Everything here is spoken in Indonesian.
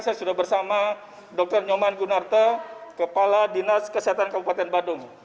saya sudah bersama dr nyoman gunarte kepala dinas kesehatan kabupaten badung